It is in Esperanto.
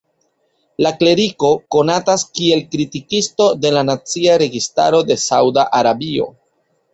La kleriko konatas kiel kritikisto de la nacia registaro de Sauda Arabio.